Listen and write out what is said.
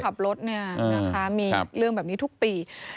ขับรถเนี่ยนะคะมีเรื่องแบบนี้ทุกปี